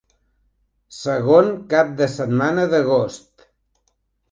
Segon cap de setmana d'agost.